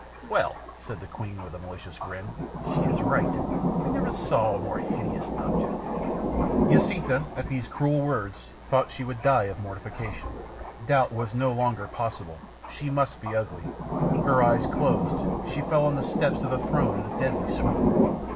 "Well," said the queen, with a malicious grin, "she is right. I never saw a more hideous object." Jacinta, at these cruel words, thought she would die of mortification. Doubt was no longer possible, she must be ugly. Her eyes closed, she fell on the steps of the throne in a deadly swoon.